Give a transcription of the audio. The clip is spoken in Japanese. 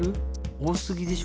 おおすぎでしょ